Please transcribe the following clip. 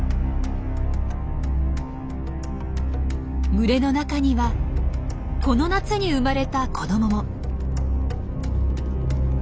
群れの中にはこの夏に生まれた子どもも。